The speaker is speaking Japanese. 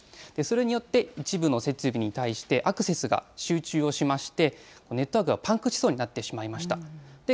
それによって、一部の設備に対してアクセスが集中をしまして、ネットワークがパンクしそうになってしまいました。